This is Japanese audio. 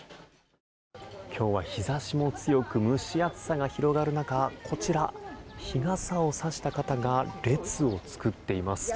今日は日差しも強く蒸し暑さの広がる中こちら、日傘をさした方が列を作っています。